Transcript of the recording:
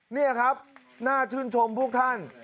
นี่ครับน่าชื่นชมพวกท่าน